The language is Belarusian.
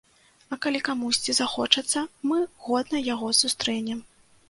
А калі камусьці захочацца, мы годна яго сустрэнем.